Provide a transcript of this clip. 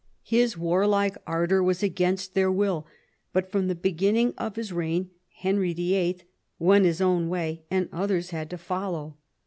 His warlike ardour was against their will j but from the beginning of his reign Henry VHI. went his own way, and others had to follow.